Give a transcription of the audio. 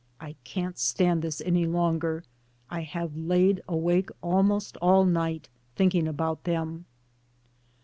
I can't stand this any longer. I have laid awake almost all night thinking about them."